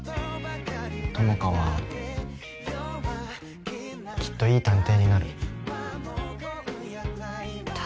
朋香はきっといい探偵になる。